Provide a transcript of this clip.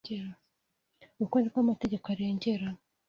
Uko ni ko amategeko arengera